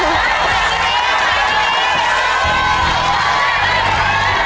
เดี๋ยว